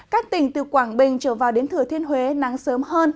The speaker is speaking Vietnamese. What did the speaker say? các tỉnh từ quảng bình trở vào đến thừa thiên huế nắng sớm hơn